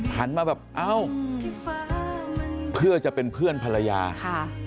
หันมาแบบเอ้าเพื่อจะเป็นเพื่อนภรรยาค่ะ